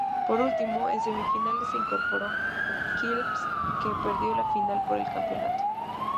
Por último, en semifinales se incorporó Quilmes, que perdió la final por el campeonato.